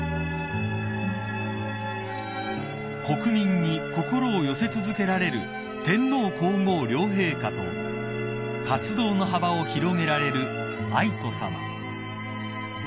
［国民に心を寄せ続けられる天皇皇后両陛下と活動の幅を広げられる愛子さま］